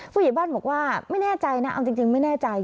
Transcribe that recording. ผู้ใหญ่บ้านบอกว่าไม่แน่ใจนะเอาจริงไม่แน่ใจ